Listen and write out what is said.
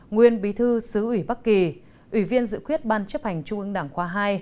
nguyên bí thư xứ ủy bắc kỳ ủy viên dự khuyết ban chấp hành trung ương đảng khóa hai